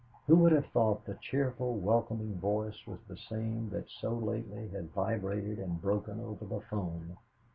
Who would have thought the cheerful, welcoming voice was the same that so lately had vibrated and broken over the 'phone?